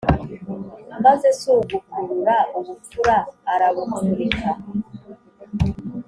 maze si ugukurura ubupfura arabupfurika.